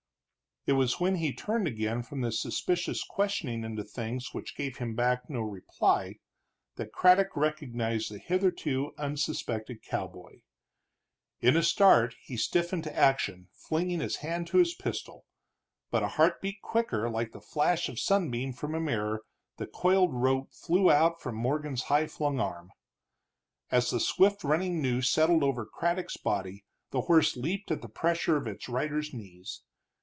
It was when he turned again from this suspicious questioning into things which gave him back no reply, that Craddock recognized the hitherto unsuspected cowboy. In a start he stiffened to action, flinging hand to his pistol. But a heartbeat quicker, like a flash of sunbeam from a mirror, the coiled rope flew out from Morgan's high flung arm. As the swift running noose settled over Craddock's body, the horse leaped at the pressure of its rider's knees.